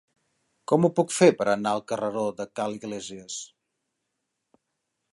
Com ho puc fer per anar al carreró de Ca l'Iglésies?